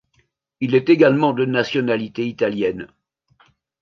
Il est également de nationalité italienne.